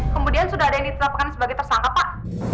kemudian sudah ada yang ditetapkan sebagai tersangka pak